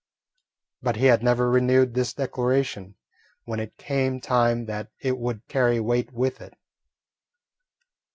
But he had never renewed this declaration when it came time that it would carry weight with it.